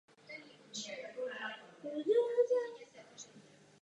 Schvalujeme, že byl Papadopoulos na Kypru svržen.